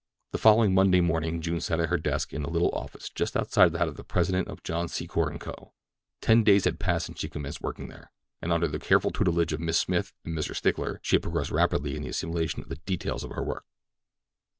The following Monday morning June sat at her desk in the little office just outside that of the president of John Secor & Co. Ten days had passed since she commenced work there, and under the careful tutorage of Miss Smith and Mr. Stickler she had progressed rapidly in the assimilation of the details of her work.